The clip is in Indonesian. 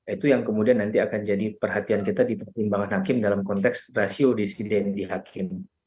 itu yang kemudian nanti akan jadi perhatian kita di pertimbangan hakim dalam konteks rasio disiden di hakim